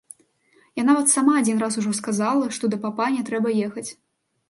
Я нават сама адзін раз ужо сказала, што да папа не трэба ехаць.